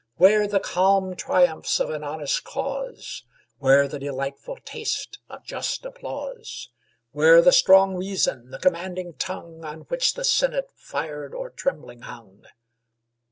Where the calm triumphs of an honest cause? Where the delightful taste of just applause? Where the strong reason, the commanding tongue, On which the Senate fired or trembling hung!